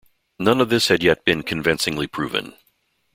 None of this had yet been convincingly proven.